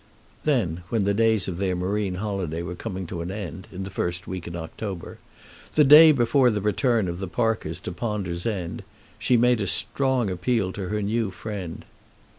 Then, when the days of their marine holiday were coming to an end, in the first week in October, the day before the return of the Parkers to Ponder's End, she made a strong appeal to her new friend.